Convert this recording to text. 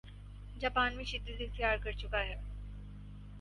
Japan میں شدت اختیار کرچکا ہے